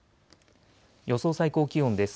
予想最高気温です。